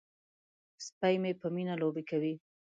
سپی مې په مینه لوبې کوي.